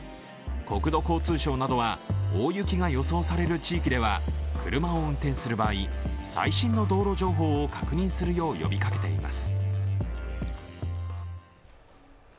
国土交通省などは大雪が予想される地域では車を運転する場合、最新の道路情報を確認するよう呼びかけています。